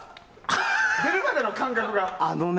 出るまでの感覚がね。